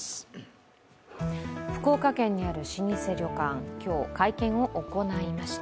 福岡県にある老舗旅館、今日会見を行いました。